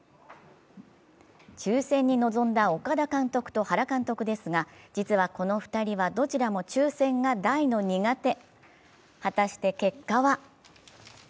抽選に臨んだ岡田監督と原監督ですが実はこの２人はどちらも抽選が大の苦手。